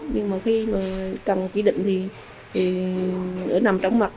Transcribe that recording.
nhưng mà khi mà cần chỉ định thì nằm trong mặt